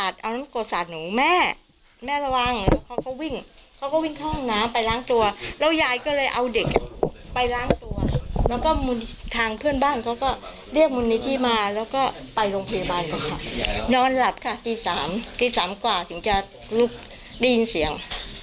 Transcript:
ที๓กว่าถึงเรียกเรียงเสียง